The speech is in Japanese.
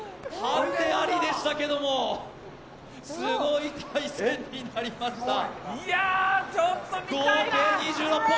ハンデありでしたけれどもすごい対戦になりました。